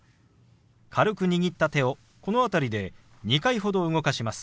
軽く握った手をこの辺りで２回ほど動かします。